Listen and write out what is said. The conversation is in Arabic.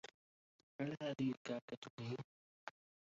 هل هذه الكعكة لي؟